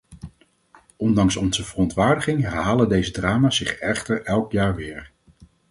Ondanks onze verontwaardiging herhalen deze drama's zich echter elk jaar weer.